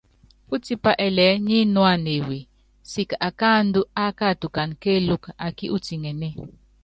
Pútipá ɛɛlɛɛ́ nyínúana ewe, siki akáandú ákatukana kéélúkú akí utiŋenée.